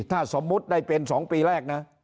ถ้าสมมุติได้เป็น๒ปีแรกนะ